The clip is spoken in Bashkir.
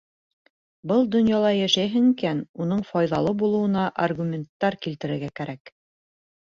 Был донъяла йәшәйһең икән, уның файҙалы булыуына аргументтар килтерер кәрәк.